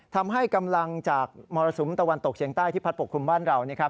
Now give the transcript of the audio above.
ทำให้กำลังจากมรสุมตะวันตกเชียงใต้ที่พัดปกคลุมบ้านเรานะครับ